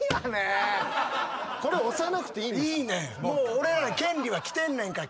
俺ら権利は来てんねんから。